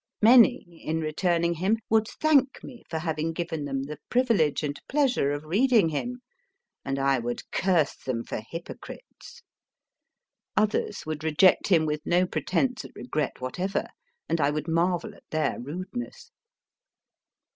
Many, in returning him, would thank me for having given them the privilege and pleasure of reading him, and I would curse them for hypocrites. Others would reject him with no pretence at regret whatever, and I would marvel at then rudeness.